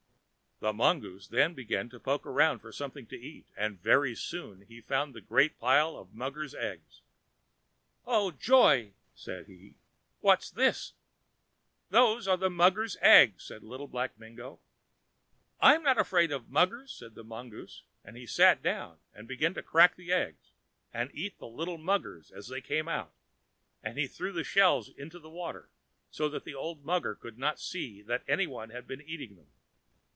The mongoose then began to poke about for something to eat, and very soon he found the great big pile of muggers' eggs. "Oh, joy!" said he, "what's this?" "Those are muggers' eggs," said Little Black Mingo. "I'm not afraid of muggers!" said the mongoose; and he sat down and began to crack the eggs, and eat the little muggers as they came out. And he threw the shells into the water, so that the old mugger should not see that any one had been eating them.